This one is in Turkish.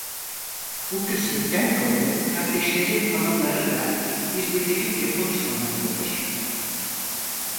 Bu küslükten dolayı kardeşlerin hanımları da birbirleriyle konuşmamaktadır.